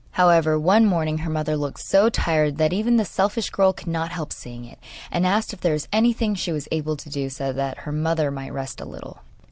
However, one morning her mother looked so tired that even the selfish girl could not help seeing it, and asked if there was anything she was able to do, so that her mother might rest a little.